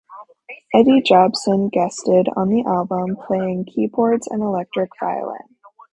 Eddie Jobson guested on the album, playing keyboards and electric violin.